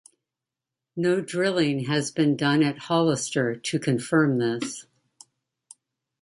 No drilling has been done at Hollister to confirm this.